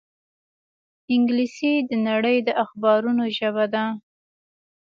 انګلیسي د نړۍ د اخبارونو ژبه ده